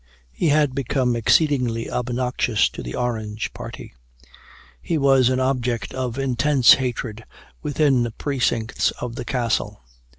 He had become exceedingly obnoxious to the Orange party. He was an object of intense hatred within the precincts of the Castle.